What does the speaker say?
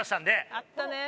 あったね。